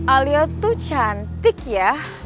alia tuh cantik ya